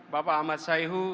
bapak ahmad saehu